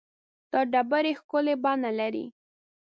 دا ډبرې ښکلې بڼه لري.